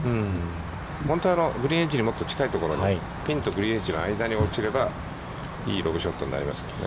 本当は、グリーンエッジにもっと近いところにピンとグリーンエッジの間に落ちれば、いいロブショットになりますね。